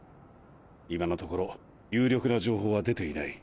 今のところ有力な情報は出ていない。